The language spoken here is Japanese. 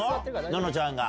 ののちゃんが。